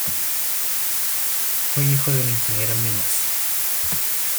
Fue hijo de un ingeniero en minas.